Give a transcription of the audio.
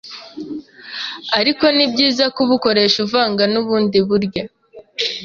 Ariko ni byiza kubukoresha uvanga n’ubundi buryo